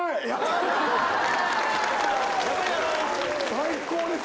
最高ですよ。